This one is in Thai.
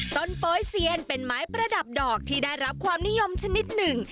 โป๊ยเซียนเป็นไม้ประดับดอกที่ได้รับความนิยมชนิดหนึ่ง